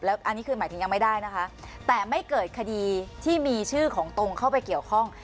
อันนี้คือหมายถึงยังไม่ได้นะคะแต่ไม่เกิดคดีที่มีชื่อของตรงเข้าไปเกี่ยวข้อง